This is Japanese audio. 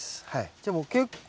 じゃあもう結構。